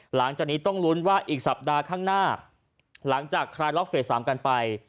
หลังจากนี้ต้องลุ้นว่าอีกสัปดาห์ข้างหน้าหลังจากคลายล็อกเฟส๓กันไป